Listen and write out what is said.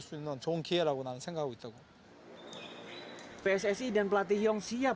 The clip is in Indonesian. tapi ketika bergabung dengan tim yang baik